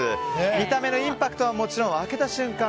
見た目のインパクトはもちろん開けた瞬間